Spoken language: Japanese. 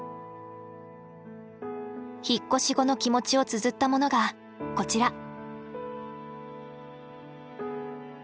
引っ越し後の気持ちをつづったものがこちら。